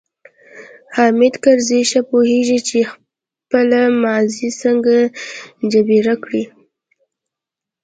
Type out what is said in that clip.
حامد کرزی ښه پوهیږي چې خپله ماضي څنګه جبیره کړي.